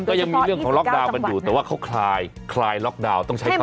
ก็ยังมีเรื่องของล็อกดาวน์กันอยู่แต่ว่าเขาคลายล็อกดาวน์ต้องใช้ความ